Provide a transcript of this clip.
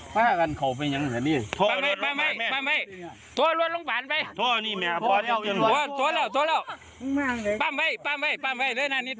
ปั๊มอยู่เชื่อปั๊มไว้